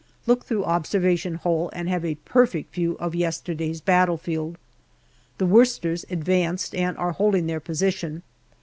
Look through observation hole and have a perfect view of yesterday's battlefield. The Worcesters advanced and are holding their position.